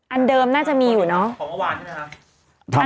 อันเดิมน่าจะมีอยู่นะ